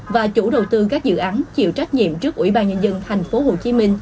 và chủ đầu tư các dự án chịu trách nhiệm trước ubnd tp hcm